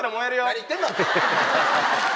何言ってんの！